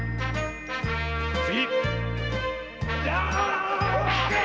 次！